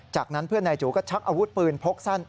จากนั้นเพื่อนนายจูก็ชักอาวุธปืนพกสั้น